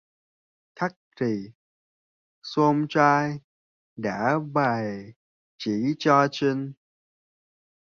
Cách thì some trai đã bày chỉ cho Trinh